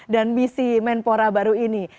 dan misi kemenpora baru ini